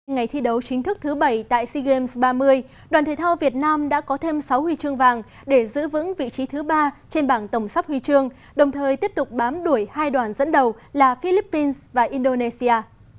ngày thi đấu chính thức thứ bảy tại sea games ba mươi đoàn thể thao việt nam đã có thêm sáu huy chương vàng để giữ vững vị trí thứ ba trên bảng tổng sắp huy chương đồng thời tiếp tục bám đuổi hai đoàn dẫn đầu là philippines và indonesia